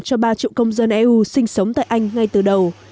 cho ba triệu công dân eu sinh sống tại anh ngay từ đầu